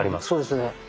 そうですね。